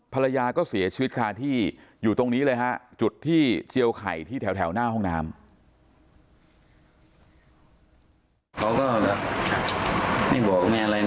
ภรรยาก็เสียชีวิตคาที่อยู่ตรงนี้เลยฮะจุดที่เจียวไข่ที่แถวหน้าห้องน้ำ